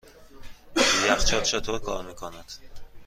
یخچال چطور کار میکند؟